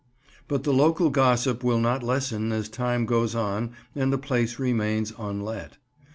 But the local gossip will not lessen as time goes on and the place remains unlet.